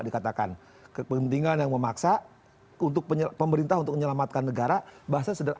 dikatakan kepentingan yang memaksa untuk pemerintah untuk menyelamatkan negara bahasa sederhana